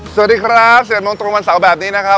สวัสดีครับ๗โมงตรงวันเสาร์แบบนี้นะครับ